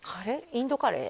インドカレー？